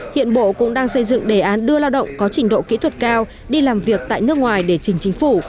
hiện bộ cũng đang xây dựng đề án đưa lao động có trình độ kỹ thuật cao đi làm việc tại nước ngoài để trình chính phủ